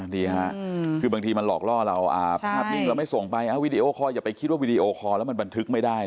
นี่ฮะคือบางทีมันหลอกล่อเราภาพนิ่งเราไม่ส่งไปวีดีโอคอลอย่าไปคิดว่าวีดีโอคอลแล้วมันบันทึกไม่ได้